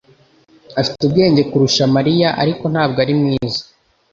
Afite ubwenge kurusha Mariya, ariko ntabwo ari mwiza.